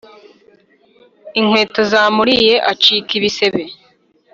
Inkweto zamuriye acika ibisebe